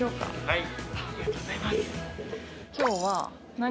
はい。